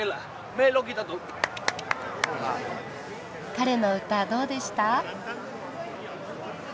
彼の歌どうでした？